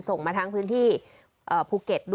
ส่งมาทั้งพื้นที่ภูเก็ต